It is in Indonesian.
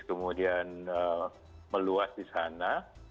kemudian meluas di sana